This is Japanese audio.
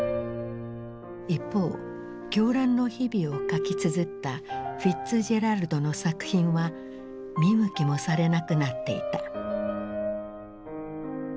一方狂乱の日々を書きつづったフィッツジェラルドの作品は見向きもされなくなっていた。